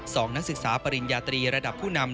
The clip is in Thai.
นักศึกษาปริญญาตรีระดับผู้นำ